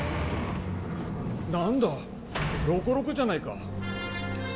なんだロコロコじゃないか。